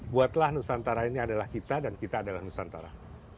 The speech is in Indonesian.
buatlah nusantara ini adalah kita dan kita adalah nusantara